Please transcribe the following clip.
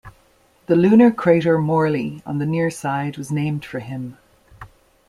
The lunar crater Morley on the near side was named for him.